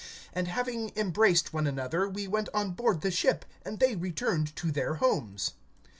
(6)And having embraced one another, we went on board the ship; and they returned to their homes.